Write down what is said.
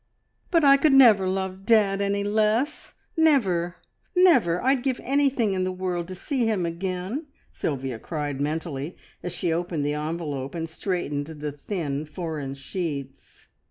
"But I could never love dad any less, never, never! I'd give anything in the world to see him again!" Sylvia cried mentally as she opened the envelope and straightened the thin, foreign sheets.